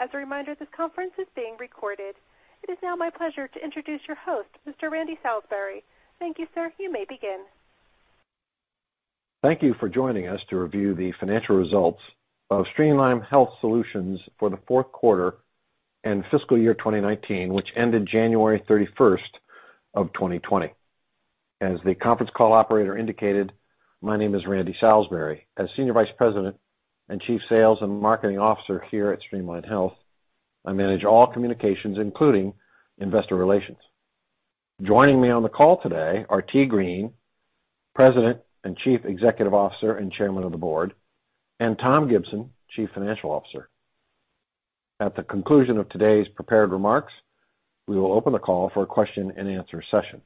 As a reminder, this conference is being recorded. It is now my pleasure to introduce your host, Mr. Randy Salisbury. Thank you, sir. You may begin. Thank you for joining us to review the financial results of Streamline Health Solutions for the fourth quarter and fiscal year 2019, which ended January 31st of 2020. As the conference call operator indicated, my name is Randy Salisbury. As Senior Vice President and Chief Sales and Marketing Officer here at Streamline Health, I manage all communications, including investor relations. Joining me on the call today are T. Green, President and Chief Executive Officer, and Chairman of the Board, and Tom Gibson, Chief Financial Officer. At the conclusion of today's prepared remarks, we will open the call for a question and answer session.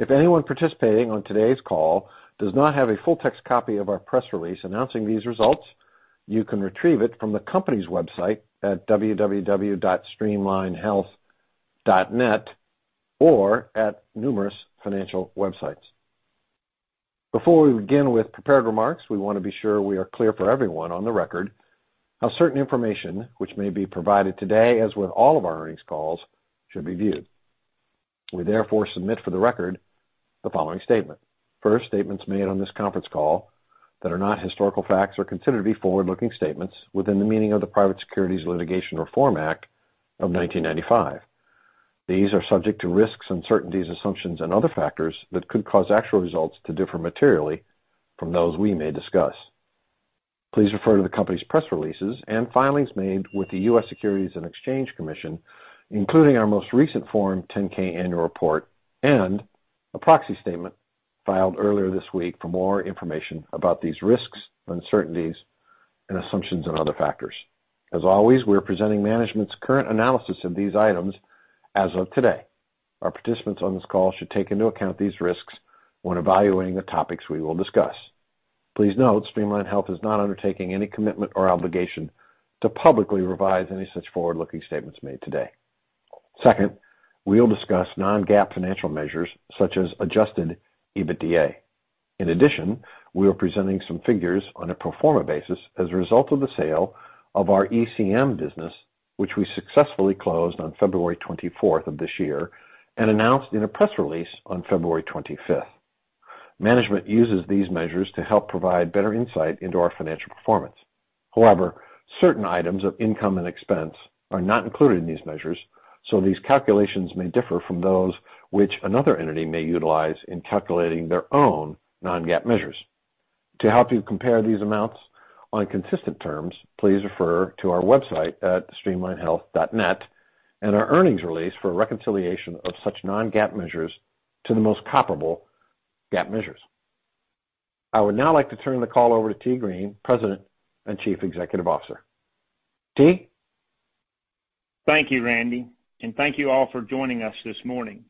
If anyone participating on today's call does not have a full text copy of our press release announcing these results, you can retrieve it from the company's website at www.streamlinehealth.net or at numerous financial websites. Before we begin with prepared remarks, we want to be sure we are clear for everyone on the record how certain information which may be provided today, as with all of our earnings calls, should be viewed. We therefore submit for the record the following statement. First, statements made on this conference call that are not historical facts are considered to be forward-looking statements within the meaning of the Private Securities Litigation Reform Act of 1995. These are subject to risks, uncertainties, assumptions, and other factors that could cause actual results to differ materially from those we may discuss. Please refer to the company's press releases and filings made with the U.S. Securities and Exchange Commission, including our most recent Form 10-K annual report and a proxy statement filed earlier this week for more information about these risks, uncertainties, and assumptions, and other factors. As always, we're presenting management's current analysis of these items as of today. Our participants on this call should take into account these risks when evaluating the topics we will discuss. Please note, Streamline Health is not undertaking any commitment or obligation to publicly revise any such forward-looking statements made today. Second, we will discuss non-GAAP financial measures such as adjusted EBITDA. In addition, we are presenting some figures on a pro forma basis as a result of the sale of our ECM business, which we successfully closed on February 24th of this year and announced in a press release on February 25th. Management uses these measures to help provide better insight into our financial performance. However, certain items of income and expense are not included in these measures, so these calculations may differ from those which another entity may utilize in calculating their own non-GAAP measures. To help you compare these amounts on consistent terms, please refer to our website at streamlinehealth.net and our earnings release for a reconciliation of such non-GAAP measures to the most comparable GAAP measures. I would now like to turn the call over to T. Green, President and Chief Executive Officer. T.? Thank you, Randy, and thank you all for joining us this morning.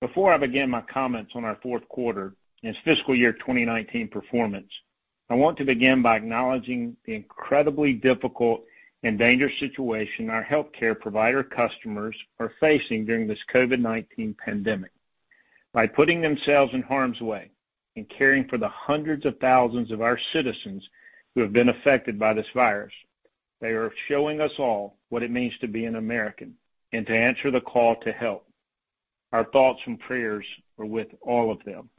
Before I begin my comments on our fourth quarter and its fiscal year 2019 performance, I want to begin by acknowledging the incredibly difficult and dangerous situation our healthcare provider customers are facing during this COVID-19 pandemic. By putting themselves in harm's way and caring for the hundreds of thousands of our citizens who have been affected by this virus, they are showing us all what it means to be an American and to answer the call to help. Our thoughts and prayers are with all of them.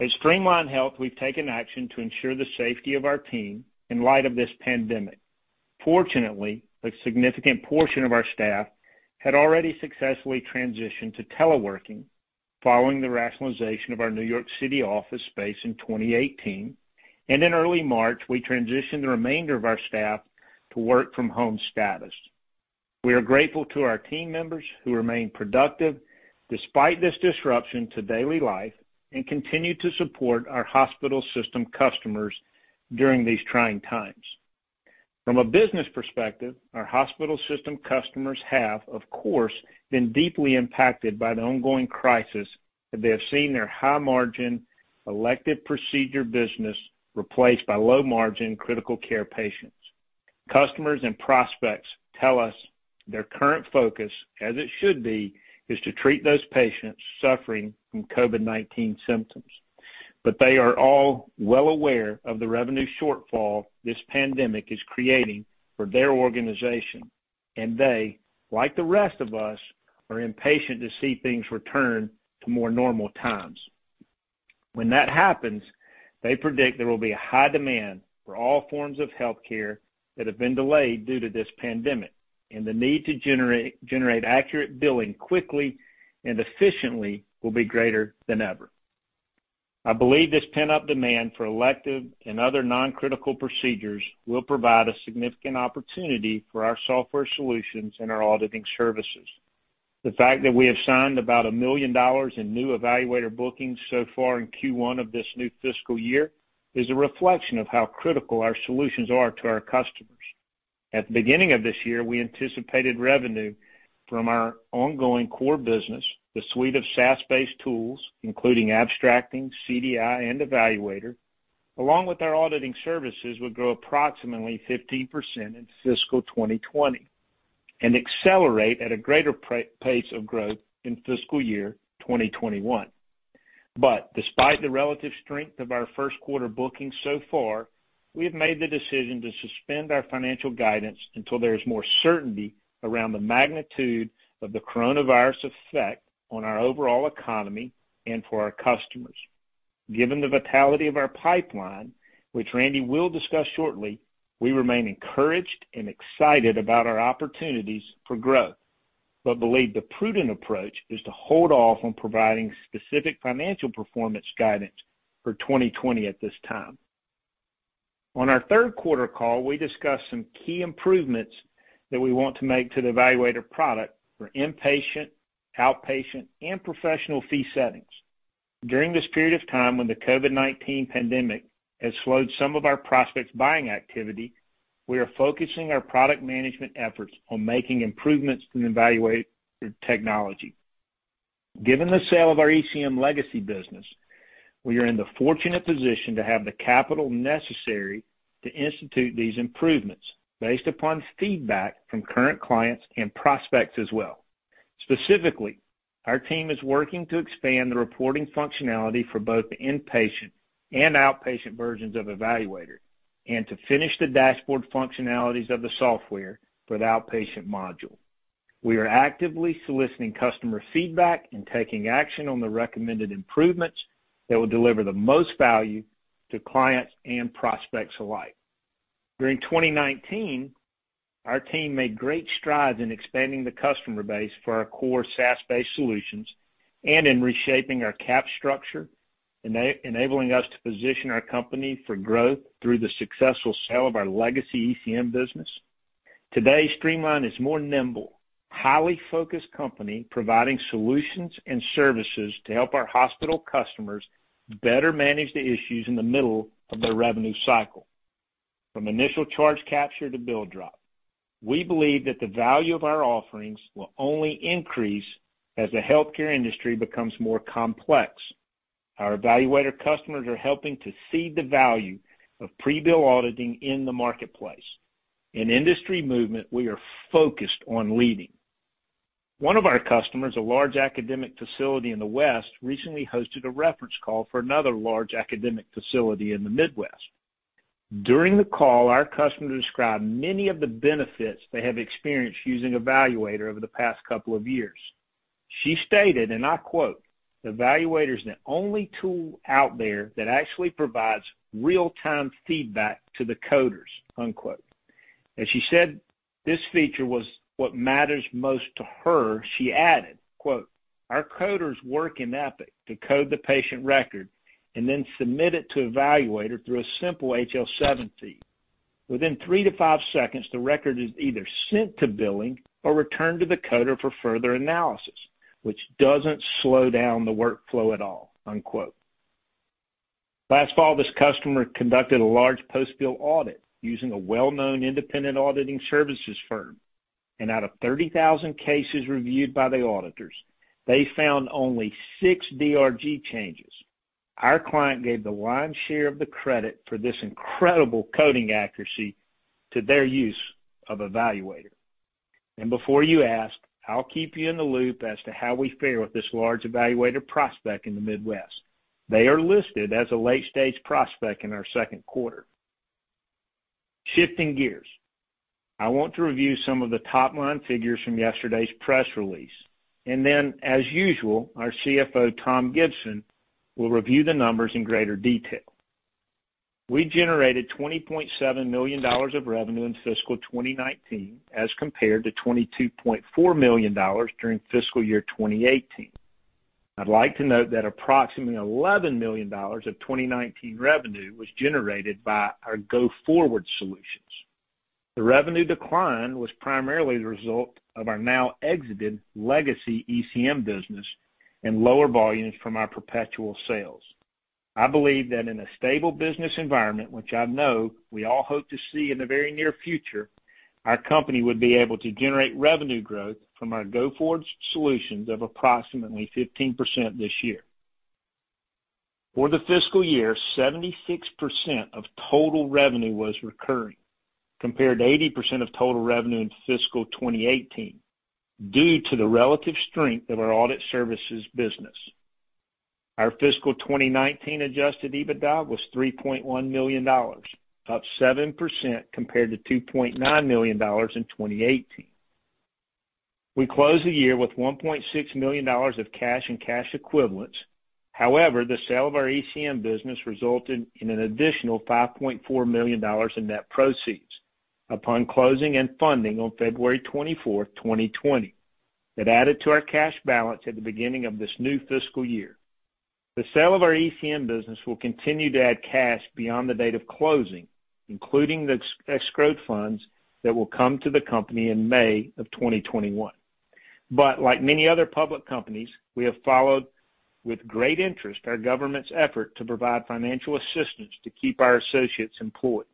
At Streamline Health, we've taken action to ensure the safety of our team in light of this pandemic. Fortunately, a significant portion of our staff had already successfully transitioned to teleworking following the rationalization of our New York City office space in 2018, and in early March, we transitioned the remainder of our staff to work-from-home status. We are grateful to our team members who remain productive despite this disruption to daily life and continue to support our hospital system customers during these trying times. From a business perspective, our hospital system customers have, of course, been deeply impacted by the ongoing crisis, and they have seen their high-margin elective procedure business replaced by low-margin critical care patients. Customers and prospects tell us their current focus, as it should be, is to treat those patients suffering from COVID-19 symptoms. They are all well aware of the revenue shortfall this pandemic is creating for their organization, and they, like the rest of us, are impatient to see things return to more normal times. When that happens, they predict there will be a high demand for all forms of health care that have been delayed due to this pandemic, and the need to generate accurate billing quickly and efficiently will be greater than ever. I believe this pent-up demand for elective and other non-critical procedures will provide a significant opportunity for our software solutions and our auditing services. The fact that we have signed about $1 million in new eValuator bookings so far in Q1 of this new fiscal year is a reflection of how critical our solutions are to our customers. At the beginning of this year, we anticipated revenue from our ongoing core business, the suite of SaaS-based tools, including abstracting, CDI, and eValuator, along with our auditing services, would grow approximately 15% in fiscal 2020 and accelerate at a greater pace of growth in fiscal year 2021. Despite the relative strength of our first quarter bookings so far, we have made the decision to suspend our financial guidance until there is more certainty around the magnitude of the coronavirus effect on our overall economy and for our customers. Given the vitality of our pipeline, which Randy will discuss shortly, we remain encouraged and excited about our opportunities for growth, but believe the prudent approach is to hold off on providing specific financial performance guidance for 2020 at this time. On our third quarter call, we discussed some key improvements that we want to make to the eValuator product for inpatient, outpatient, and professional fee settings. During this period of time when the COVID-19 pandemic has slowed some of our prospects' buying activity, we are focusing our product management efforts on making improvements to the eValuator technology. Given the sale of our ECM legacy business, we are in the fortunate position to have the capital necessary to institute these improvements based upon feedback from current clients and prospects as well. Specifically, our team is working to expand the reporting functionality for both the inpatient and outpatient versions of eValuator, and to finish the dashboard functionalities of the software for the outpatient module. We are actively soliciting customer feedback and taking action on the recommended improvements that will deliver the most value to clients and prospects alike. During 2019, our team made great strides in expanding the customer base for our core SaaS-based solutions and in reshaping our cap structure, enabling us to position our company for growth through the successful sale of our legacy ECM business. Today, Streamline is more nimble, highly focused company, providing solutions and services to help our hospital customers better manage the issues in the middle of their revenue cycle, from initial charge capture to bill drop. We believe that the value of our offerings will only increase as the healthcare industry becomes more complex. Our eValuator customers are helping to see the value of pre-bill auditing in the marketplace, an industry movement we are focused on leading. One of our customers, a large academic facility in the West, recently hosted a reference call for another large academic facility in the Midwest. During the call, our customer described many of the benefits they have experienced using eValuator over the past couple of years. She stated, and I quote, "eValuator's the only tool out there that actually provides real-time feedback to the coders." As she said this feature was what matters most to her, she added, "Our coders work in Epic to code the patient record and then submit it to eValuator through a simple HL7 feed. Within three to five seconds, the record is either sent to billing or returned to the coder for further analysis, which doesn't slow down the workflow at all." Last fall, this customer conducted a large post-bill audit using a well-known independent auditing services firm. Out of 30,000 cases reviewed by the auditors, they found only six DRG changes. Our client gave the lion's share of the credit for this incredible coding accuracy to their use of eValuator. Before you ask, I'll keep you in the loop as to how we fair with this large eValuator prospect in the Midwest. They are listed as a late-stage prospect in our second quarter. Shifting gears, I want to review some of the top-line figures from yesterday's press release. Then, as usual, our CFO, Tom Gibson, will review the numbers in greater detail. We generated $20.7 million of revenue in fiscal 2019 as compared to $22.4 million during fiscal year 2018. I'd like to note that approximately $11 million of 2019 revenue was generated by our go-forward solutions. The revenue decline was primarily the result of our now exited legacy ECM business and lower volumes from our perpetual sales. I believe that in a stable business environment, which I know we all hope to see in the very near future, our company would be able to generate revenue growth from our go-forward solutions of approximately 15% this year. For the fiscal year, 76% of total revenue was recurring, compared to 80% of total revenue in fiscal 2018, due to the relative strength of our audit services business. Our fiscal 2019 adjusted EBITDA was $3.1 million, up 7% compared to $2.9 million in 2018. We closed the year with $1.6 million of cash and cash equivalents. However, the sale of our ECM business resulted in an additional $5.4 million in net proceeds upon closing and funding on February 24th, 2020. It added to our cash balance at the beginning of this new fiscal year. The sale of our ECM business will continue to add cash beyond the date of closing, including the escrowed funds that will come to the company in May of 2021. Like many other public companies, we have followed with great interest our government's effort to provide financial assistance to keep our associates employed.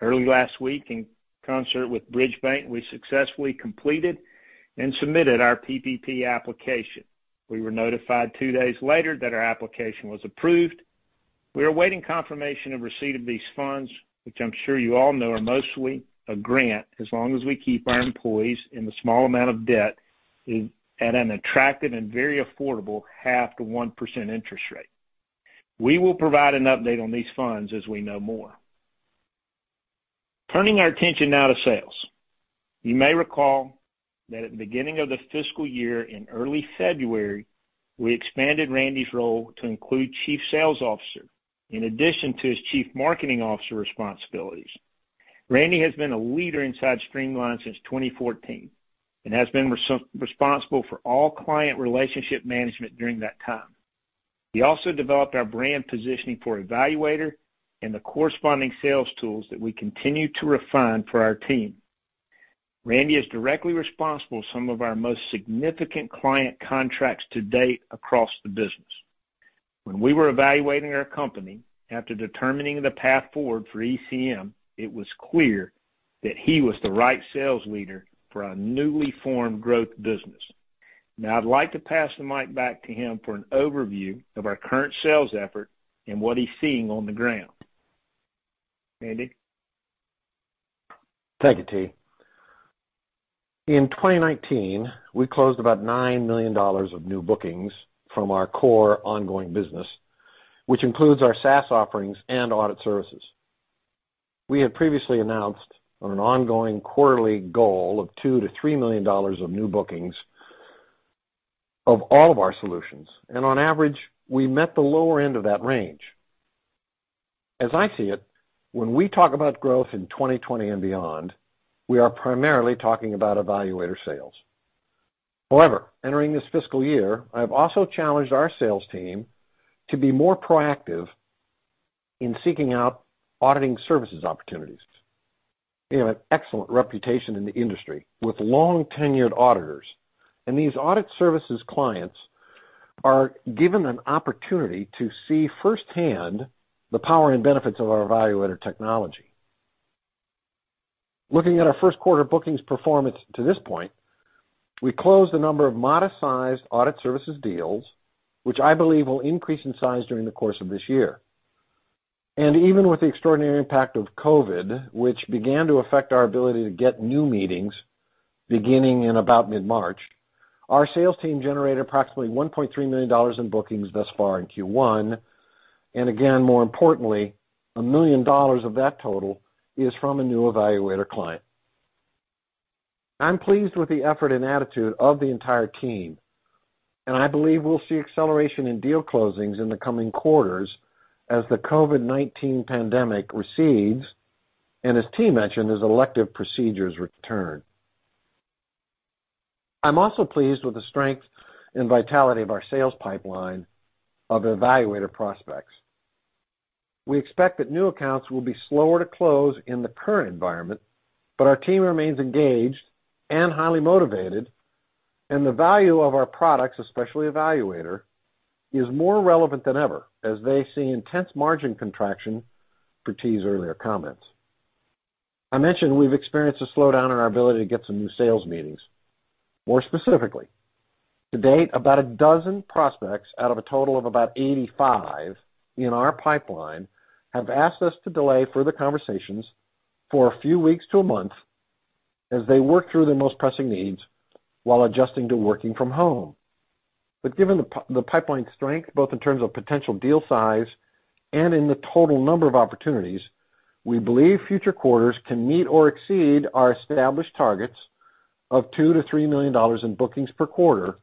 Early last week, in concert with Bridge Bank, we successfully completed and submitted our PPP application. We were notified two days later that our application was approved. We are awaiting confirmation of receipt of these funds, which I'm sure you all know are mostly a grant, as long as we keep our employees in the small amount of debt at an attractive and very affordable 0.5%-1% interest rate. We will provide an update on these funds as we know more. Turning our attention now to sales. You may recall that at the beginning of the fiscal year in early February, we expanded Randy's role to include Chief Sales Officer in addition to his Chief Marketing Officer responsibilities. Randy has been a leader inside Streamline since 2014 and has been responsible for all client relationship management during that time. He also developed our brand positioning for eValuator and the corresponding sales tools that we continue to refine for our team. Randy is directly responsible for some of our most significant client contracts to date across the business. When we were evaluating our company after determining the path forward for ECM, it was clear that he was the right sales leader for our newly formed growth business. I'd like to pass the mic back to him for an overview of our current sales effort and what he's seeing on the ground. Randy? Thank you, T. In 2019, we closed about $9 million of new bookings from our core ongoing business, which includes our SaaS offerings and audit services. We had previously announced on an ongoing quarterly goal of $2 million-$3 million of new bookings of all of our solutions, and on average, we met the lower end of that range. As I see it, when we talk about growth in 2020 and beyond, we are primarily talking about eValuator sales. Entering this fiscal year, I've also challenged our sales team to be more proactive in seeking out auditing services opportunities. We have an excellent reputation in the industry with long-tenured auditors, and these audit services clients are given an opportunity to see firsthand the power and benefits of our eValuator technology. Looking at our first quarter bookings performance to this point, we closed a number of modest-sized audit services deals, which I believe will increase in size during the course of this year. Even with the extraordinary impact of COVID-19, which began to affect our ability to get new meetings beginning in about mid-March, our sales team generated approximately $1.3 million in bookings thus far in Q1. Again, more importantly, $1 million of that total is from a new eValuator client. I'm pleased with the effort and attitude of the entire team, and I believe we'll see acceleration in deal closings in the coming quarters as the COVID-19 pandemic recedes and as T. mentioned, as elective procedures return. I'm also pleased with the strength and vitality of our sales pipeline of eValuator prospects. We expect that new accounts will be slower to close in the current environment, but our team remains engaged and highly motivated, and the value of our products, especially eValuator, is more relevant than ever as they see intense margin contraction per T.'s earlier comments. I mentioned we've experienced a slowdown in our ability to get some new sales meetings. More specifically, to date, about a dozen prospects out of a total of about 85 in our pipeline have asked us to delay further conversations for a few weeks to a month as they work through their most pressing needs while adjusting to working from home. Given the pipeline strength, both in terms of potential deal size and in the total number of opportunities, we believe future quarters can meet or exceed our established targets of $2 million-$3 million in bookings per quarter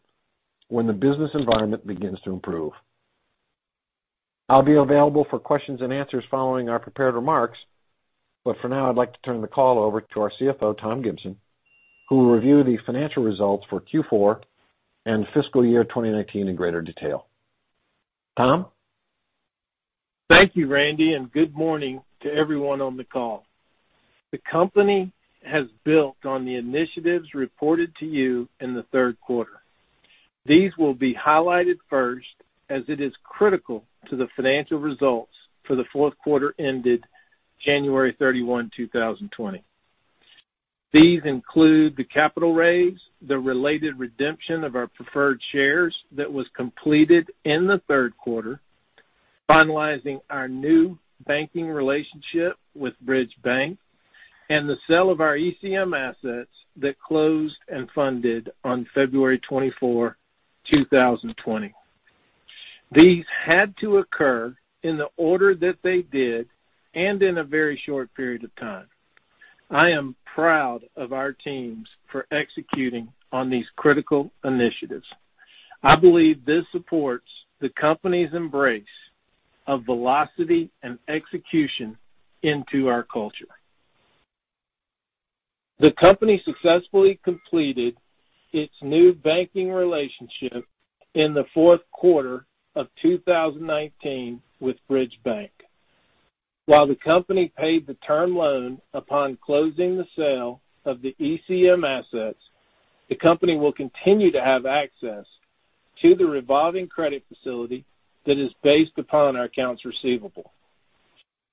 when the business environment begins to improve. I'll be available for questions and answers following our prepared remarks, but for now I'd like to turn the call over to our CFO, Tom Gibson, who will review the financial results for Q4 and fiscal year 2019 in greater detail. Tom? Thank you, Randy, and good morning to everyone on the call. The company has built on the initiatives reported to you in the third quarter. These will be highlighted first as it is critical to the financial results for the fourth quarter ended January 31, 2020. These include the capital raise, the related redemption of our preferred shares that was completed in the third quarter, finalizing our new banking relationship with Bridge Bank, and the sale of our ECM assets that closed and funded on February 24, 2020. These had to occur in the order that they did and in a very short period of time. I am proud of our teams for executing on these critical initiatives. I believe this supports the company's embrace of velocity and execution into our culture. The company successfully completed its new banking relationship in the fourth quarter of 2019 with Bridge Bank. While the company paid the term loan upon closing the sale of the ECM assets, the company will continue to have access to the revolving credit facility that is based upon our accounts receivable.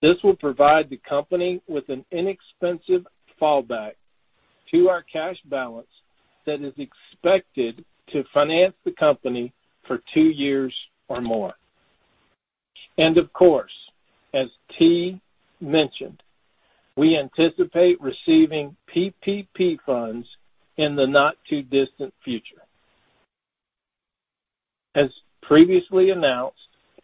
This will provide the company with an inexpensive fallback to our cash balance that is expected to finance the company for two years or more. Of course, as T. mentioned, we anticipate receiving PPP funds in the not too distant future. As previously announced,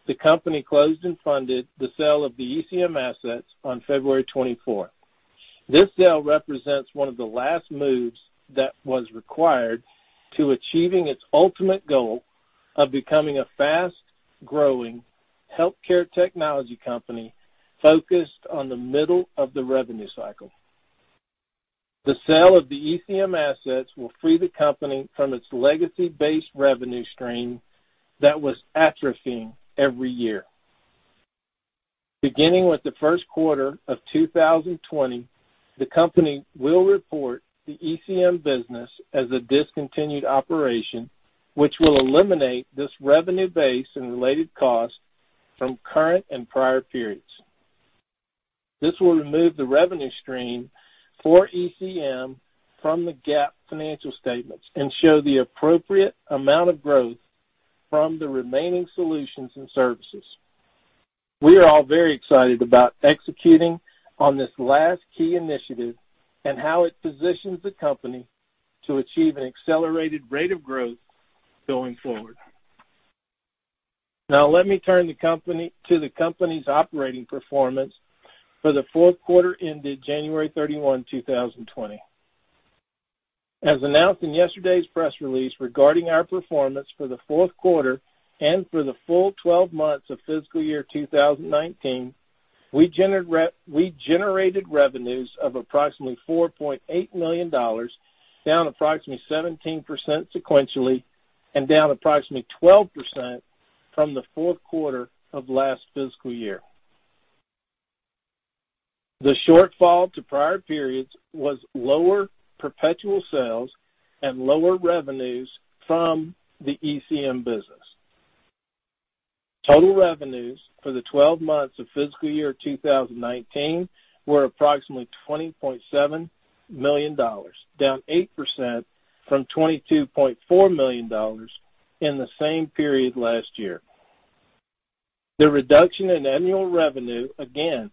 the company closed and funded the sale of the ECM assets on February 24th. This sale represents one of the last moves that was required to achieving its ultimate goal of becoming a fast, growing, healthcare technology company focused on the middle of the revenue cycle. The sale of the ECM assets will free the company from its legacy-based revenue stream that was atrophying every year. Beginning with the first quarter of 2020, the company will report the ECM business as a discontinued operation, which will eliminate this revenue base and related costs from current and prior periods. This will remove the revenue stream for ECM from the GAAP financial statements and show the appropriate amount of growth from the remaining solutions and services. We are all very excited about executing on this last key initiative and how it positions the company to achieve an accelerated rate of growth going forward. Let me turn to the company's operating performance for the fourth quarter ended January 31, 2020. As announced in yesterday's press release regarding our performance for the fourth quarter and for the full 12 months of fiscal year 2019, we generated revenues of approximately $4.8 million, down approximately 17% sequentially, and down approximately 12% from the fourth quarter of last fiscal year. The shortfall to prior periods was lower perpetual sales and lower revenues from the ECM business. Total revenues for the 12 months of fiscal year 2019 were approximately $20.7 million, down 8% from $22.4 million in the same period last year. The reduction in annual revenue, again,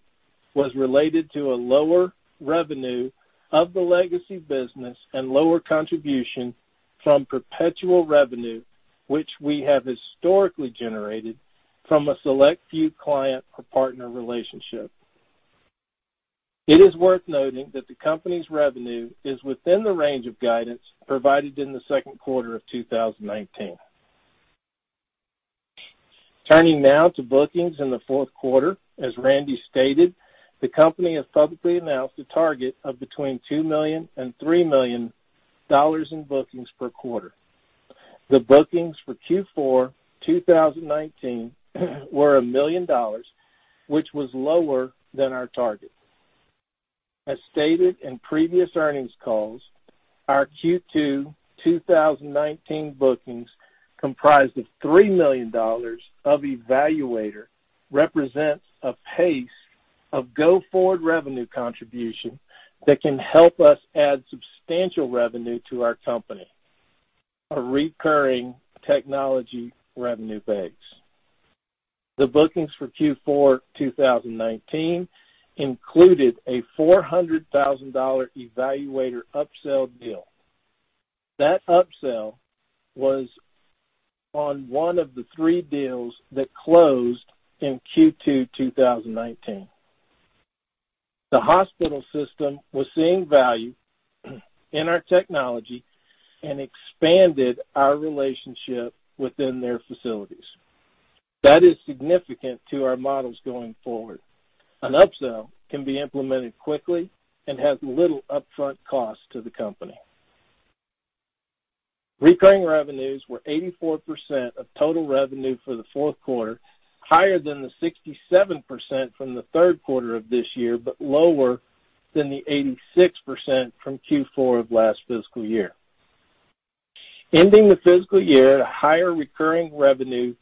was related to a lower revenue of the legacy business and lower contribution from perpetual revenue, which we have historically generated from a select few client or partner relationship. It is worth noting that the company's revenue is within the range of guidance provided in the second quarter of 2019. Turning now to bookings in the fourth quarter, as Randy stated, the company has publicly announced a target of between $2 million and $3 million in bookings per quarter. The bookings for Q4 2019 were $1 million, which was lower than our target. As stated in previous earnings calls, our Q2 2019 bookings comprised of $3 million of eValuator represents a pace of go-forward revenue contribution that can help us add substantial revenue to our company, a recurring technology revenue base. The bookings for Q4 2019 included a $400,000 eValuator upsell deal. That upsell was on one of the three deals that closed in Q2 2019. The hospital system was seeing value in our technology and expanded our relationship within their facilities. That is significant to our models going forward. An upsell can be implemented quickly and has little upfront cost to the company. Recurring revenues were 84% of total revenue for the fourth quarter, higher than the 67% from the third quarter of this year, but lower than the 86% from Q4 of last fiscal year. Ending the fiscal year, a higher recurring revenue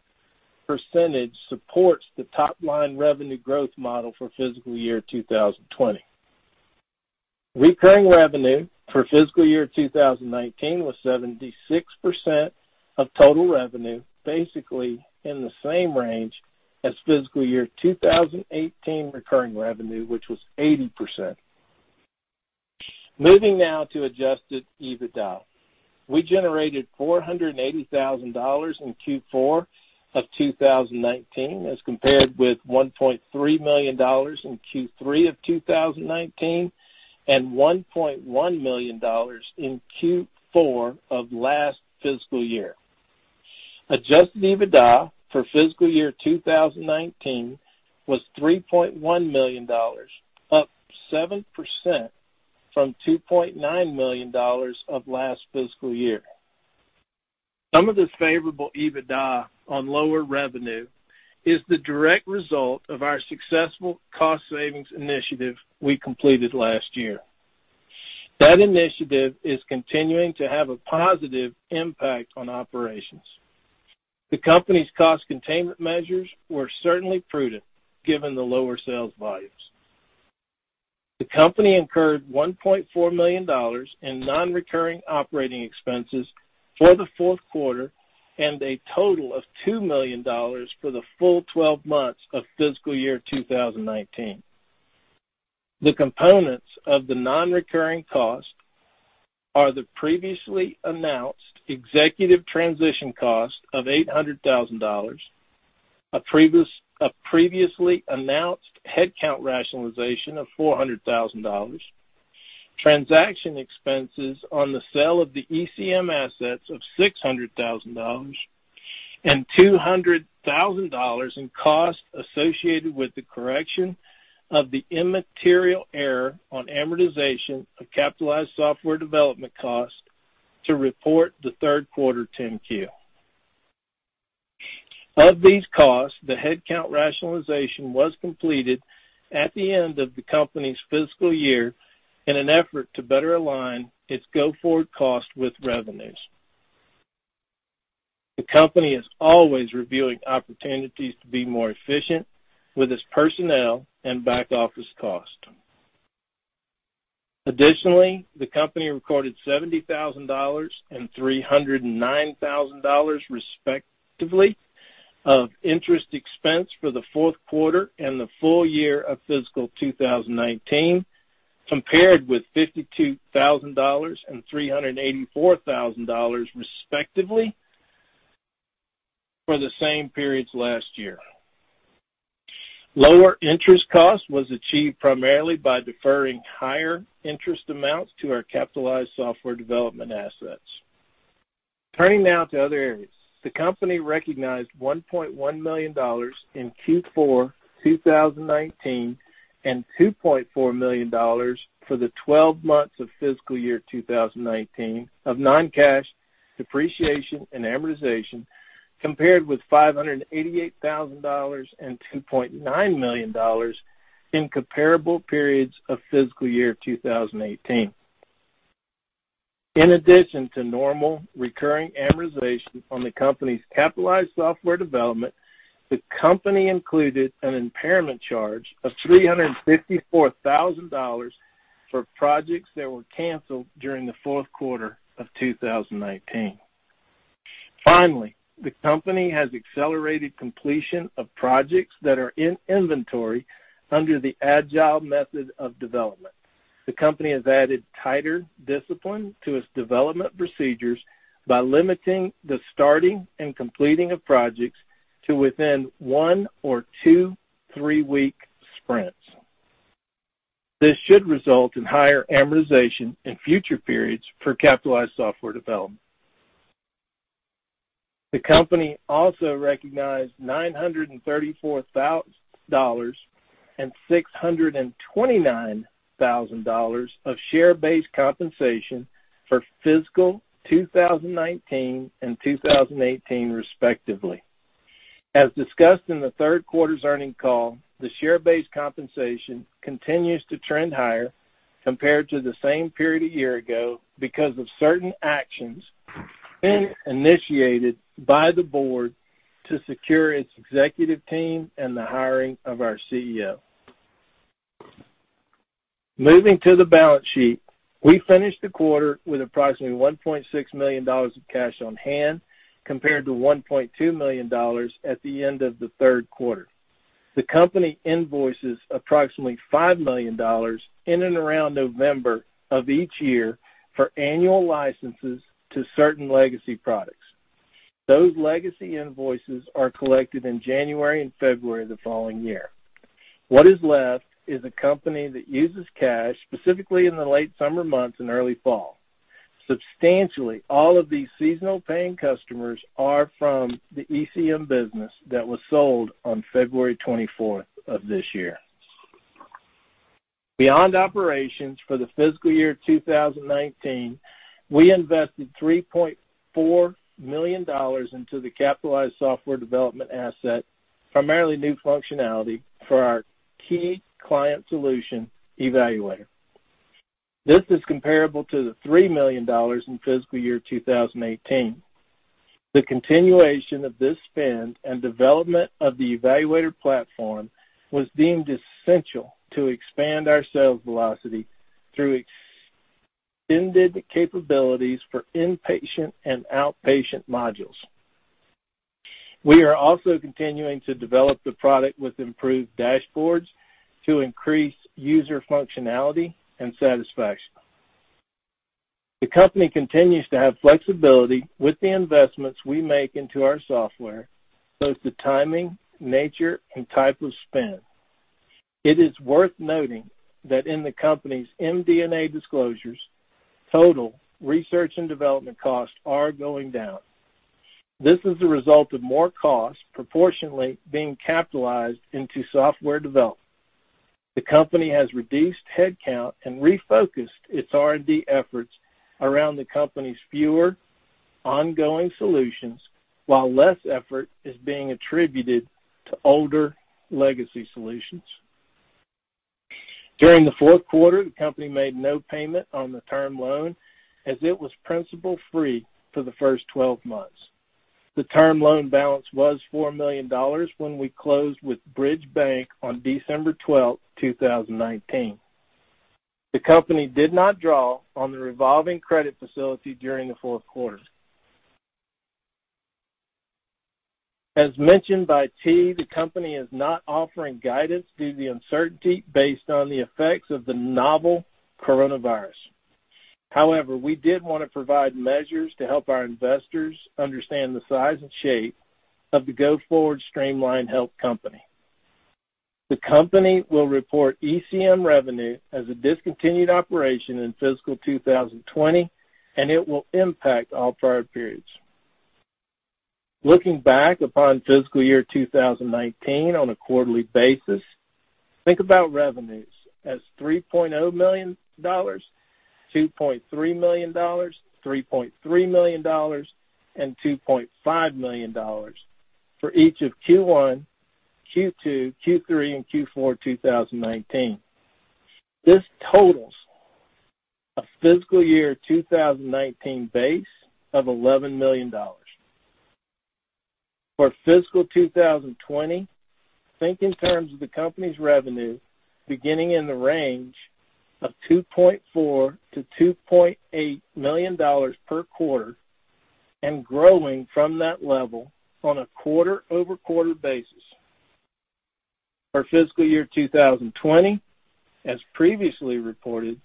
percentage supports the top-line revenue growth model for fiscal year 2020. Recurring revenue for fiscal year 2019 was 76% of total revenue, basically in the same range as fiscal year 2018 recurring revenue, which was 80%. Moving now to adjusted EBITDA. We generated $480,000 in Q4 of 2019 as compared with $1.3 million in Q3 of 2019, and $1.1 million in Q4 of last fiscal year. Adjusted EBITDA for fiscal year 2019 was $3.1 million, up 7% from $2.9 million of last fiscal year. Some of this favorable EBITDA on lower revenue is the direct result of our successful cost savings initiative we completed last year. That initiative is continuing to have a positive impact on operations. The company's cost containment measures were certainly prudent given the lower sales volumes. The company incurred $1.4 million in non-recurring operating expenses for the fourth quarter and a total of $2 million for the full 12 months of fiscal year 2019. The components of the non-recurring costs are the previously announced executive transition cost of $800,000, a previously announced headcount rationalization of $400,000, transaction expenses on the sale of the ECM assets of $600,000 and $200,000 in costs associated with the correction of the immaterial error on amortization of capitalized software development costs to report the third quarter 10-Q. Of these costs, the headcount rationalization was completed at the end of the company's fiscal year in an effort to better align its go-forward cost with revenues. The company is always reviewing opportunities to be more efficient with its personnel and back-office costs. Additionally, the company recorded $70,000 and $309,000 respectively of interest expense for the fourth quarter and the full year of fiscal 2019, compared with $52,000 and $384,000 respectively for the same periods last year. Lower interest cost was achieved primarily by deferring higher interest amounts to our capitalized software development assets. Turning now to other areas. The company recognized $1.1 million in Q4 2019 and $2.4 million for the 12 months of fiscal year 2019 of non-cash depreciation and amortization compared with $588,000 and $2.9 million in comparable periods of fiscal year 2018. In addition to normal recurring amortization on the company's capitalized software development, the company included an impairment charge of $354,000 for projects that were canceled during the fourth quarter of 2019. Finally, the company has accelerated completion of projects that are in inventory under the Agile method of development. The company has added tighter discipline to its development procedures by limiting the starting and completing of projects to within one or two three-week sprints. This should result in higher amortization in future periods for capitalized software development. The company also recognized $934,000 and $629,000 of share-based compensation for fiscal 2019 and 2018 respectively. As discussed in the third quarter's earnings call, the share-based compensation continues to trend higher compared to the same period a year ago because of certain actions being initiated by the board to secure its executive team and the hiring of our CEO. Moving to the balance sheet. We finished the quarter with approximately $1.6 million of cash on hand compared to $1.2 million at the end of the third quarter. The company invoices approximately $5 million in and around November of each year for annual licenses to certain legacy products. Those legacy invoices are collected in January and February of the following year. What is left is a company that uses cash specifically in the late summer months and early fall. Substantially all of these seasonal paying customers are from the ECM business that was sold on February 24th of this year. Beyond operations for the fiscal year 2019, we invested $3.4 million into the capitalized software development asset, primarily new functionality for our key client solution eValuator. This is comparable to the $3 million in fiscal year 2018. The continuation of this spend and development of the eValuator platform was deemed essential to expand our sales velocity through extended capabilities for inpatient and outpatient modules. We are also continuing to develop the product with improved dashboards to increase user functionality and satisfaction. The company continues to have flexibility with the investments we make into our software, both the timing, nature, and type of spend. It is worth noting that in the company's MD&A disclosures, total research and development costs are going down. This is a result of more costs proportionately being capitalized into software development. The company has reduced headcount and refocused its R&D efforts around the company's fewer ongoing solutions, while less effort is being attributed to older legacy solutions. During the fourth quarter, the company made no payment on the term loan as it was principal-free for the first 12 months. The term loan balance was $4 million when we closed with Bridge Bank on December 12, 2019. The company did not draw on the revolving credit facility during the fourth quarter. As mentioned by T., the company is not offering guidance due to the uncertainty based on the effects of the novel coronavirus. We did want to provide measures to help our investors understand the size and shape of the go-forward Streamline Health company. The company will report ECM revenue as a discontinued operation in fiscal 2020, and it will impact all prior periods. Looking back upon fiscal year 2019 on a quarterly basis, think about revenues as $3.0 million, $2.3 million, $3.3 million, and $2.5 million for each of Q1, Q2, Q3, and Q4 2019. This totals a fiscal year 2019 base of $11 million. For fiscal 2020, think in terms of the company's revenue beginning in the range of $2.4 million-$2.8 million per quarter and growing from that level on a quarter-over-quarter basis. For fiscal year 2020, as previously reported,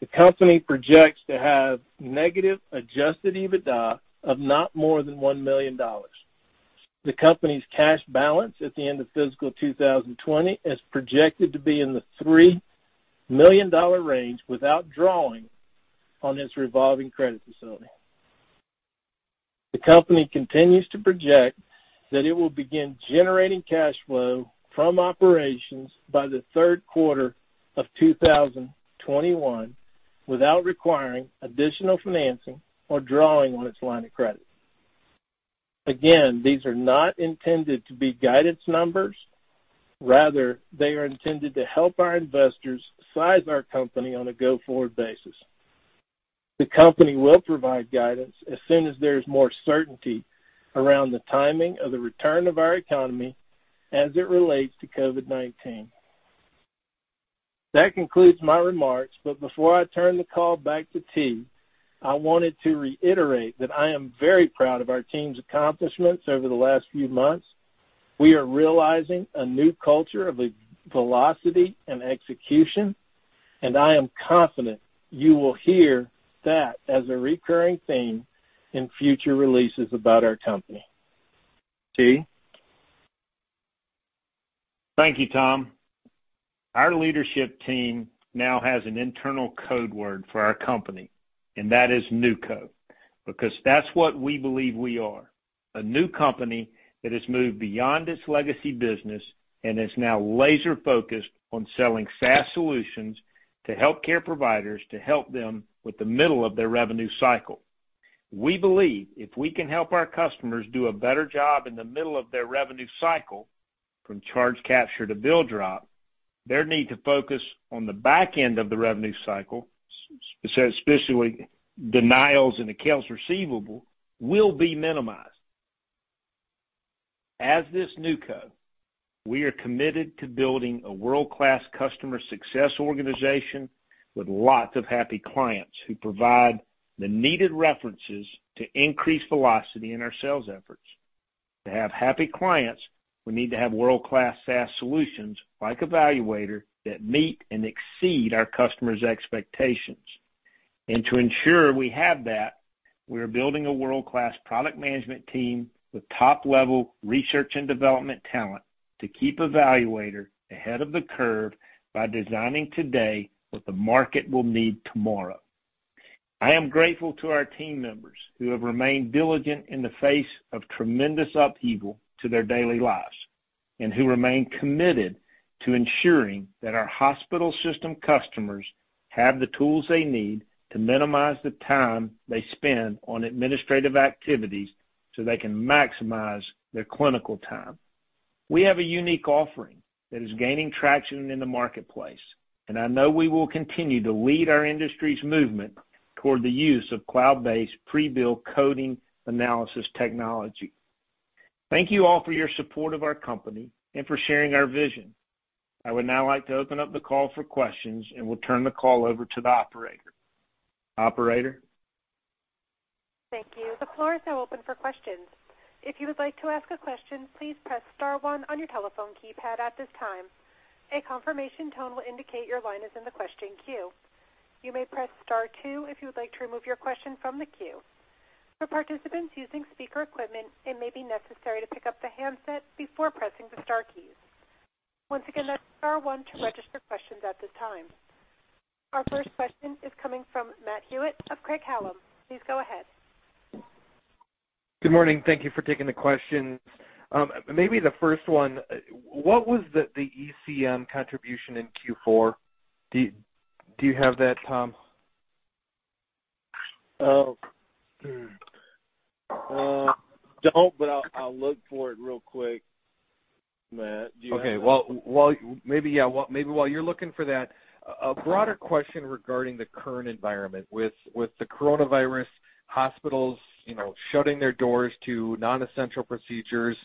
the company projects to have negative adjusted EBITDA of not more than $1 million. The company's cash balance at the end of fiscal 2020 is projected to be in the $3 million range without drawing on its revolving credit facility. The company continues to project that it will begin generating cash flow from operations by the third quarter of 2021 without requiring additional financing or drawing on its line of credit. Again, these are not intended to be guidance numbers. Rather, they are intended to help our investors size our company on a go-forward basis. The company will provide guidance as soon as there is more certainty around the timing of the return of our economy as it relates to COVID-19. That concludes my remarks. Before I turn the call back to T., I wanted to reiterate that I am very proud of our team's accomplishments over the last few months. We are realizing a new culture of velocity and execution. I am confident you will hear that as a recurring theme in future releases about our company. T.? Thank you, Tom. Our leadership team now has an internal code word for our company, and that is NewCo, because that's what we believe we are, a new company that has moved beyond its legacy business and is now laser-focused on selling SaaS solutions to healthcare providers to help them with the middle of their revenue cycle. We believe if we can help our customers do a better job in the middle of their revenue cycle, from charge capture to bill drop, their need to focus on the back end of the revenue cycle, especially denials and accounts receivable, will be minimized. As this NewCo, we are committed to building a world-class customer success organization with lots of happy clients who provide the needed references to increase velocity in our sales efforts. To have happy clients, we need to have world-class SaaS solutions like eValuator that meet and exceed our customers' expectations. To ensure we have that, we are building a world-class product management team with top-level research and development talent to keep eValuator ahead of the curve by designing today what the market will need tomorrow. I am grateful to our team members who have remained diligent in the face of tremendous upheaval to their daily lives and who remain committed to ensuring that our hospital system customers have the tools they need to minimize the time they spend on administrative activities so they can maximize their clinical time. We have a unique offering that is gaining traction in the marketplace, and I know we will continue to lead our industry's movement toward the use of cloud-based pre-bill coding analysis technology. Thank you all for your support of our company and for sharing our vision. I would now like to open up the call for questions, and will turn the call over to the operator. Operator? Thank you. The floor is now open for questions. If you would like to ask a question, please press star one on your telephone keypad at this time. A confirmation tone will indicate your line is in the question queue. You may press star two if you would like to remove your question from the queue. For participants using speaker equipment, it may be necessary to pick up the handset before pressing the star keys. Once again, that's star one to register questions at this time. Our first question is coming from Matt Hewitt of Craig-Hallum. Please go ahead. Good morning. Thank you for taking the questions. Maybe the first one, what was the ECM contribution in Q4? Do you have that, Tom? I don't, but I'll look for it real quick, Matt. Do you have that- Okay. Well, maybe while you're looking for that, a broader question regarding the current environment with the coronavirus, hospitals shutting their doors to non-essential procedures,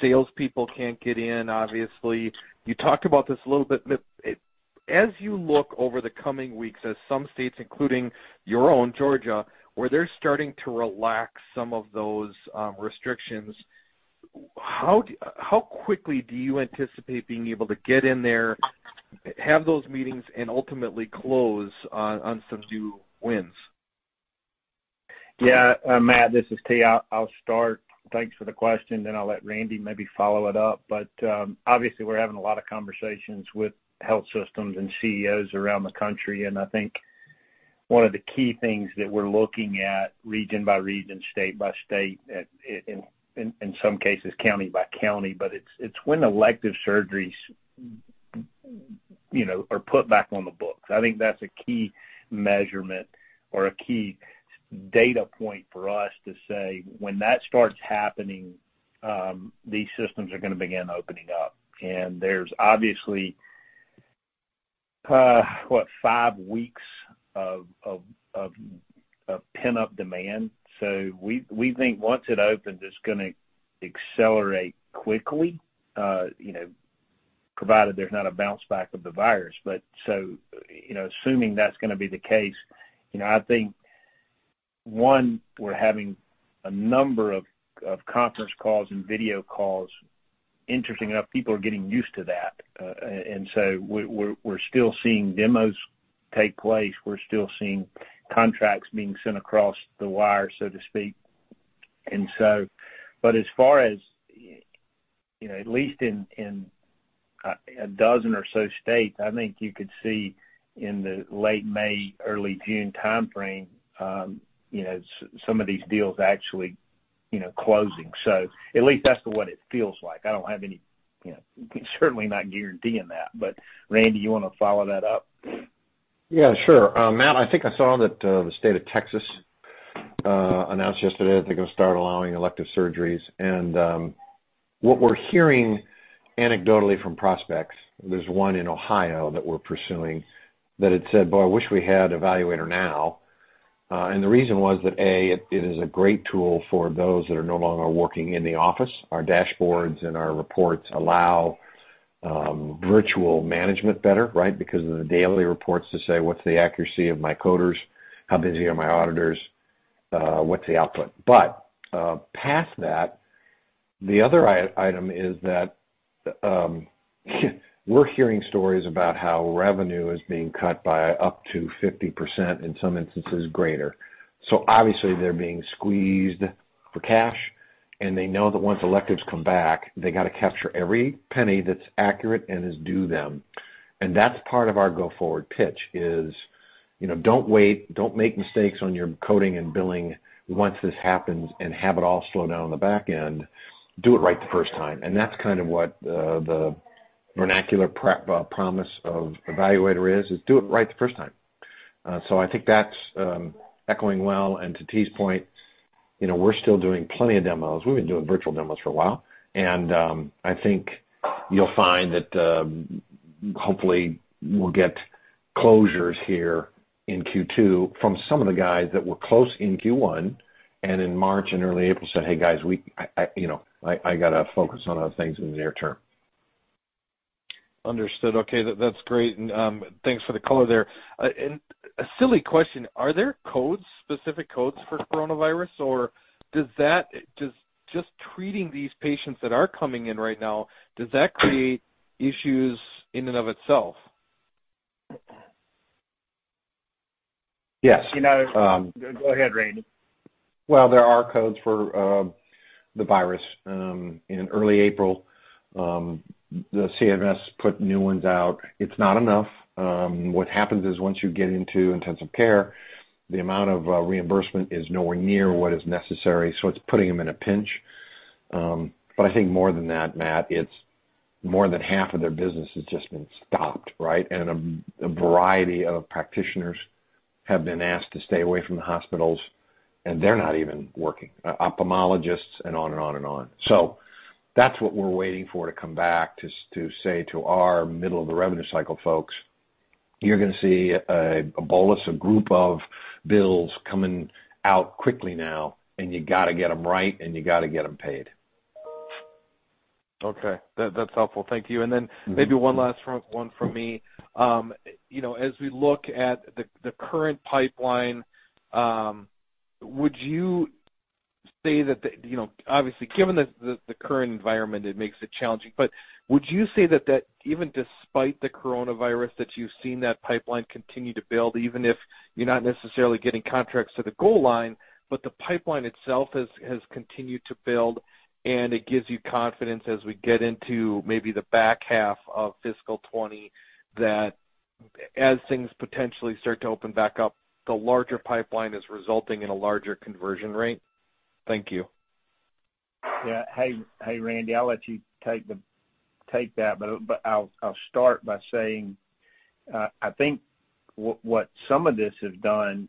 salespeople can't get in, obviously. You talked about this a little bit, but as you look over the coming weeks, as some states, including your own, Georgia, where they're starting to relax some of those restrictions, how quickly do you anticipate being able to get in there, have those meetings, and ultimately close on some new wins? Yeah. Matt, this is T. I'll start. Thanks for the question, I'll let Randy maybe follow it up. Obviously we're having a lot of conversations with health systems and CEOs around the country, I think one of the key things that we're looking at region by region, state by state, in some cases county by county, it's when elective surgeries are put back on the books. I think that's a key measurement or a key data point for us to say when that starts happening, these systems are going to begin opening up. There's obviously, what, five weeks of pent-up demand. We think once it opens, it's going to accelerate quickly, provided there's not a bounce back of the virus. Assuming that's going to be the case, I think one, we're having a number of conference calls and video calls. Interesting enough, people are getting used to that. We're still seeing demos take place. We're still seeing contracts being sent across the wire, so to speak. As far as at least in 12 or so states, I think you could see in the late May, early June timeframe some of these deals actually closing. At least that's what it feels like. I don't have any, certainly not guaranteeing that. Randy, you want to follow that up? Yeah, sure. Matt, I think I saw that the state of Texas announced yesterday that they're going to start allowing elective surgeries. What we're hearing anecdotally from prospects, there's one in Ohio that we're pursuing that had said, "Boy, I wish we had eValuator now." The reason was that A, it is a great tool for those that are no longer working in the office. Our dashboards and our reports allow virtual management better, right? Because of the daily reports to say, what's the accuracy of my coders? How busy are my auditors? What's the output? Past that, the other item is that we're hearing stories about how revenue is being cut by up to 50%, in some instances greater. Obviously they're being squeezed for cash, and they know that once electives come back, they got to capture every penny that's accurate and is due them. That's part of our go-forward pitch is, don't wait. Don't make mistakes on your coding and billing once this happens and have it all slow down on the back end. Do it right the first time. That's kind of what the vernacular promise of eValuator is do it right the first time. I think that's echoing well. To T.'s point, we're still doing plenty of demos. We've been doing virtual demos for a while. I think you'll find that hopefully we'll get closures here in Q2 from some of the guys that were close in Q1 and in March and early April we said, "Hey, guys, I got to focus on other things in the near term." Understood. Okay. That's great. Thanks for the color there. A silly question, are there specific codes for coronavirus, or does just treating these patients that are coming in right now, does that create issues in and of itself? Yes. Go ahead, Randy. Well, there are codes for the virus. In early April the CMS put new ones out. It's not enough. What happens is once you get into intensive care, the amount of reimbursement is nowhere near what is necessary, so it's putting them in a pinch. I think more than that, Matt, it's more than half of their business has just been stopped, right? A variety of practitioners have been asked to stay away from the hospitals, and they're not even working. Ophthalmologists and on and on and on. That's what we're waiting for to come back to say to our middle-of-the-revenue cycle folks. You're going to see a bolus, a group of bills coming out quickly now, and you got to get them right, and you got to get them paid. Okay. That's helpful. Thank you. Then maybe one last one from me. As we look at the current pipeline, would you say that, obviously given the current environment, it makes it challenging, but would you say that even despite the coronavirus, that you've seen that pipeline continue to build, even if you're not necessarily getting contracts to the goal line, but the pipeline itself has continued to build and it gives you confidence as we get into maybe the back half of fiscal 2020 that as things potentially start to open back up, the larger pipeline is resulting in a larger conversion rate? Thank you. Yeah. Hey, Randy, I'll let you take that, but I'll start by saying, I think what some of this has done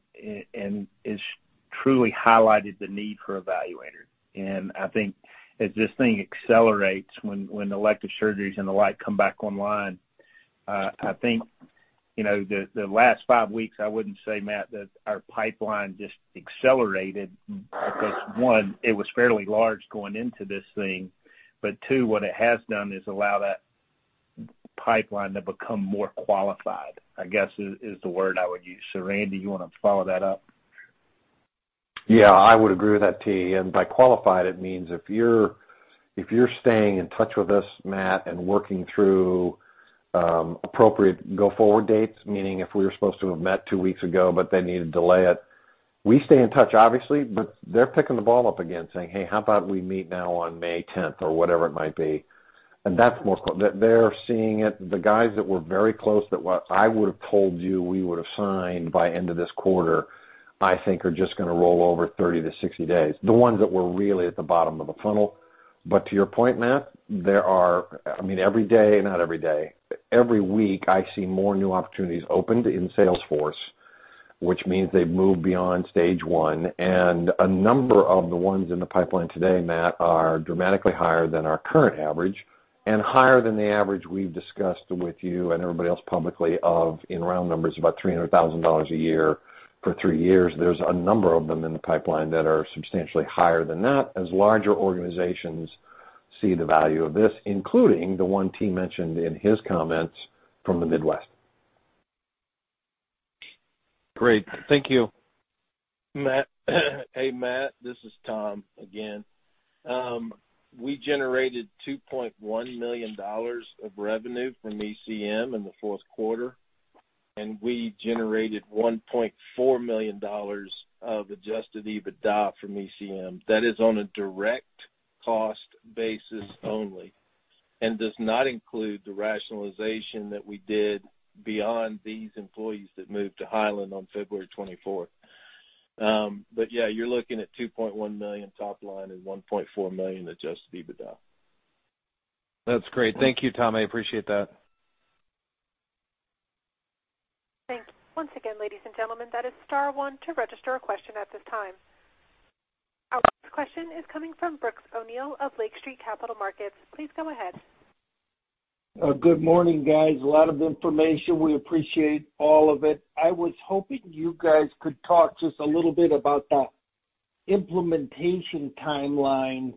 and it's truly highlighted the need for eValuator. I think as this thing accelerates when elective surgeries and the like come back online, I think the last five weeks, I wouldn't say, Matt, that our pipeline just accelerated because one, it was fairly large going into this thing. Two, what it has done is allow that pipeline to become more qualified, I guess is the word I would use. Randy, you want to follow that up? Yeah, I would agree with that, T. By qualified, it means if you're staying in touch with us, Matt, and working through appropriate go-forward dates, meaning if we were supposed to have met two weeks ago, but they need to delay it, we stay in touch, obviously, but they're picking the ball up again, saying, "Hey, how about we meet now on May 10th?" Or whatever it might be. That's more They're seeing it. The guys that were very close that I would've told you we would've signed by end of this quarter, I think are just going to roll over 30 to 60 days, the ones that were really at the bottom of the funnel. To your point, Matt, every day, not every day, every week, I see more new opportunities opened in Salesforce, which means they've moved beyond stage one. A number of the ones in the pipeline today, Matt, are dramatically higher than our current average and higher than the average we've discussed with you and everybody else publicly of, in round numbers, about $300,000 a year for three years. There's a number of them in the pipeline that are substantially higher than that as larger organizations see the value of this, including the one T. mentioned in his comments from the Midwest. Great. Thank you. Hey Matt. This is Tom again. We generated $2.1 million of revenue from ECM in the fourth quarter, and we generated $1.4 million of adjusted EBITDA from ECM. That is on a direct cost basis only and does not include the rationalization that we did beyond these employees that moved to Hyland on February 24th. Yeah, you're looking at $2.1 million top line and $1.4 million adjusted EBITDA. That's great. Thank you, Tom. I appreciate that. Thank you. Once again, ladies and gentlemen, that is star one to register a question at this time. Our next question is coming from Brooks O'Neil of Lake Street Capital Markets. Please go ahead. Good morning, guys. A lot of information. We appreciate all of it. I was hoping you guys could talk just a little bit about the implementation timeline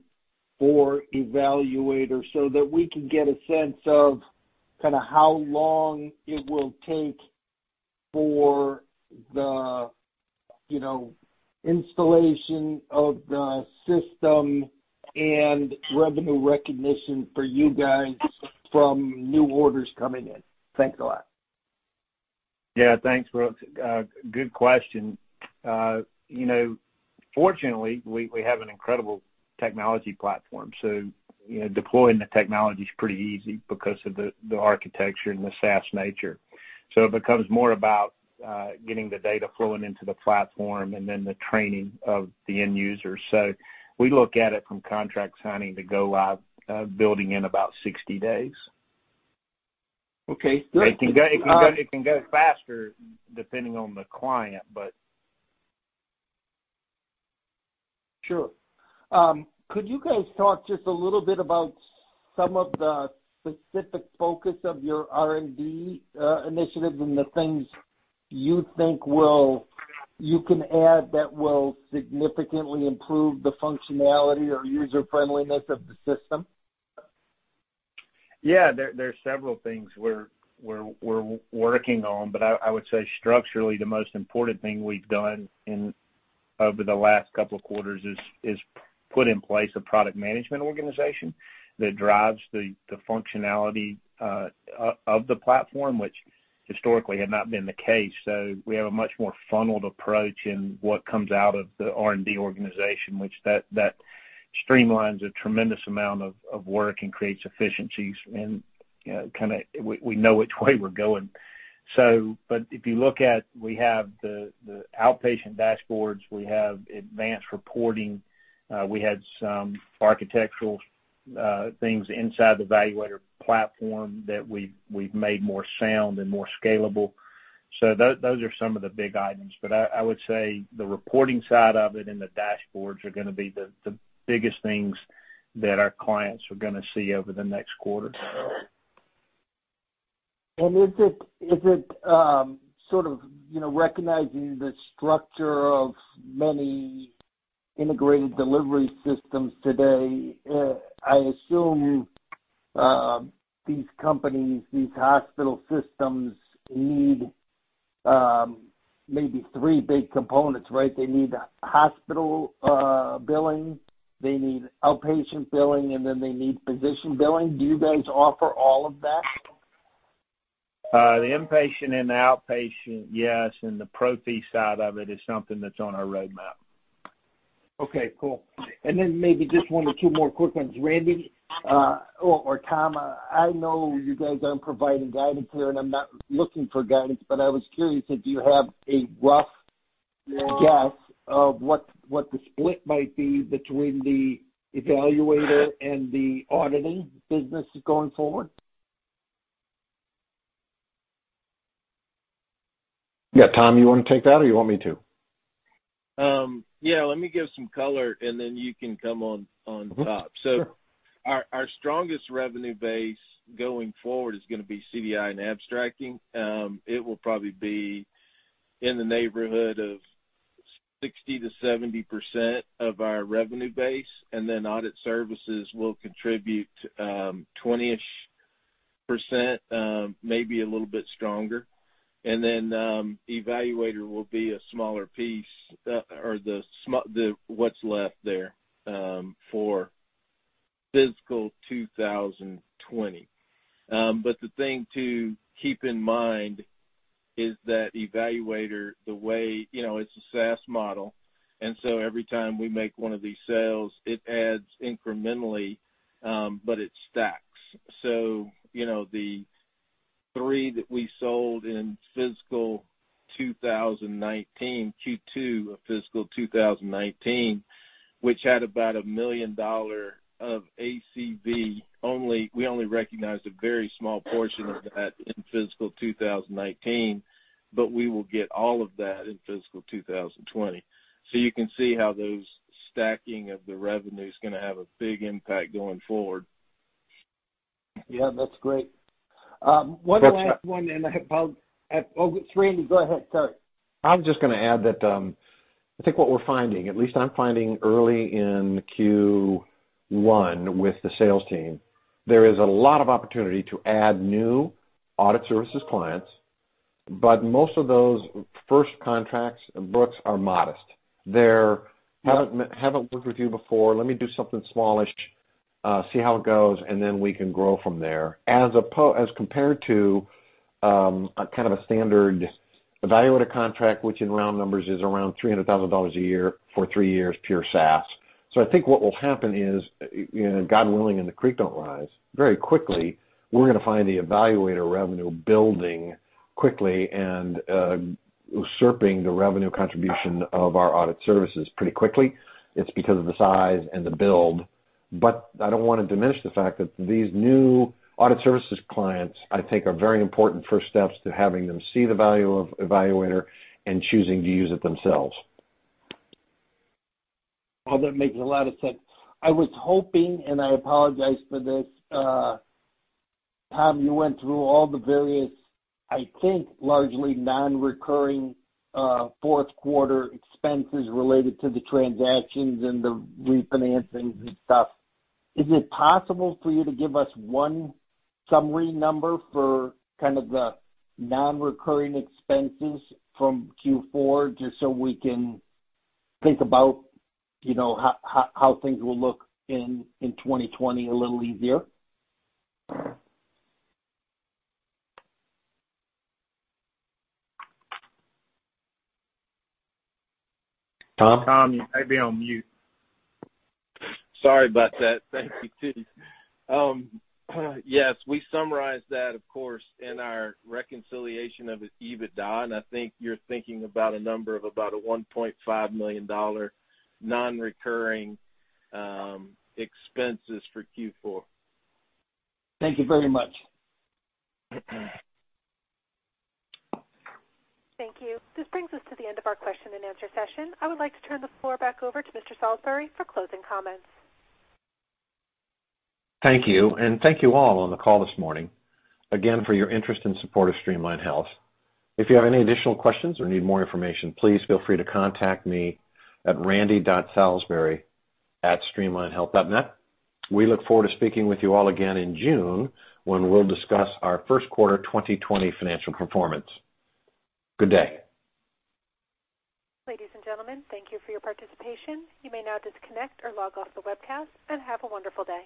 for eValuator so that we can get a sense of how long it will take for the installation of the system and revenue recognition for you guys from new orders coming in. Thanks a lot. Yeah. Thanks, Brooks. Good question. Fortunately, we have an incredible technology platform, so deploying the technology's pretty easy because of the architecture and the SaaS nature. It becomes more about getting the data flowing into the platform and then the training of the end user. We look at it from contract signing to go live building in about 60 days. Okay. Great. It can go faster depending on the client but. Sure. Could you guys talk just a little bit about some of the specific focus of your R&D initiatives and the things you think you can add that will significantly improve the functionality or user-friendliness of the system? Yeah. There are several things we're working on, but I would say structurally, the most important thing we've done over the last couple of quarters is put in place a product management organization that drives the functionality of the platform, which historically had not been the case. We have a much more funneled approach in what comes out of the R&D organization, which that streamlines a tremendous amount of work and creates efficiencies, and we know which way we're going. If you look at, we have the outpatient dashboards. We have advanced reporting. We had some architectural things inside the eValuator platform that we've made more sound and more scalable. Those are some of the big items. I would say the reporting side of it and the dashboards are going to be the biggest things that our clients are going to see over the next quarter. Is it sort of recognizing the structure of many integrated delivery systems today? I assume these companies, these hospital systems need maybe three big components, right? They need hospital billing, they need outpatient billing, and then they need physician billing. Do you guys offer all of that? The inpatient and the outpatient, yes. The professional fee side of it is something that's on our roadmap. Okay, cool. Maybe just one or two more quick ones. Randy or Tom, I know you guys aren't providing guidance here, and I'm not looking for guidance, but I was curious if, do you have a rough guess of what the split might be between the eValuator and the auditing business going forward? Yeah. Tom, you want to take that or you want me to? Yeah, let me give some color and then you can come on top. Sure. Our strongest revenue base going forward is going to be CDI and abstracting. It will probably be in the neighborhood of 60%-70% of our revenue base, and then audit services will contribute 20-ish%, maybe a little bit stronger. eValuator will be a smaller piece or what's left there for fiscal 2020. The thing to keep in mind is that eValuator, it's a SaaS model. Every time we make one of these sales, it adds incrementally, but it stacks. The three that we sold in fiscal 2019, Q2 of fiscal 2019, which had about $1 million of ACV, we only recognized a very small portion of that in fiscal 2019, but we will get all of that in fiscal 2020. You can see how those stacking of the revenue is going to have a big impact going forward. Yeah, that's great. One last one. Randy, go ahead, sorry. I'm just going to add that, I think what we're finding, at least I'm finding early in Q1 with the sales team, there is a lot of opportunity to add new audit services clients, but most of those first contracts and books are modest. They're, "Haven't worked with you before. Let me do something smallish, see how it goes, and then we can grow from there." As compared to a kind of a standard eValuator contract, which in round numbers is around $300,000 a year for three years, pure SaaS. I think what will happen is, God willing and the creek don't rise, very quickly, we're going to find the eValuator revenue building quickly and usurping the revenue contribution of our audit services pretty quickly. It's because of the size and the build. I don't want to diminish the fact that these new audit services clients, I think, are very important first steps to having them see the value of eValuator and choosing to use it themselves. Well, that makes a lot of sense. I was hoping, and I apologize for this. Tom, you went through all the various, I think, largely non-recurring fourth quarter expenses related to the transactions and the refinancings and stuff. Is it possible for you to give us one summary number for kind of the non-recurring expenses from Q4 just so we can think about how things will look in 2020 a little easier? Tom? Tom, you might be on mute. Sorry about that. Thank you, T. Yes. We summarized that, of course, in our reconciliation of EBITDA, and I think you're thinking about a number of about $1.5 million non-recurring expenses for Q4. Thank you very much. Thank you. This brings us to the end of our question and answer session. I would like to turn the floor back over to Mr. Salisbury for closing comments. Thank you, and thank you all on the call this morning, again, for your interest and support of Streamline Health. If you have any additional questions or need more information, please feel free to contact me at randy.salisbury@streamlinehealth.net. We look forward to speaking with you all again in June when we'll discuss our first quarter 2020 financial performance. Good day. Ladies and gentlemen, thank you for your participation. You may now disconnect or log off the webcast, and have a wonderful day.